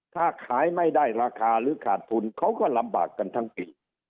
ถ้าขายไม่ได้ราคาหรือขาดทุนเขาก็ลำบากกันทั้งปี